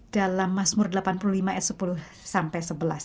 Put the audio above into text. dalam masmur delapan puluh lima s sepuluh sampai sebelas